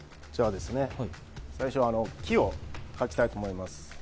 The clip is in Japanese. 最初、木を描きたいと思います。